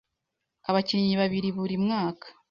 abakinnyi babiri buri mwaka